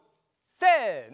せの！